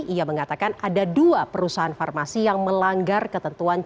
ia mengatakan ada dua perusahaan farmasi yang melanggar ketentuan